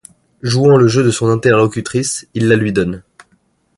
Jouant le jeu de son interlocutrice, il la lui donne.